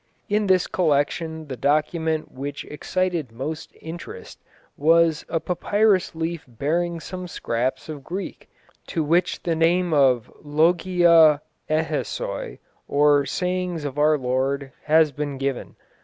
In this collection the document which excited most interest was a papyrus leaf bearing some scraps of Greek, to which the name of +LOGIA IÊSOU+, or Sayings of our Lord, has been given.